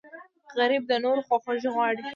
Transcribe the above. غریب د نورو خواخوږی غواړي